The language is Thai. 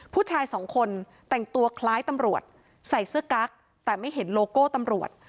ผู้ชายสองคนแต่งตัวคล้ายตำรวจใส่เสื้อกั๊กแต่ไม่เห็นโลโก้ตำรวจ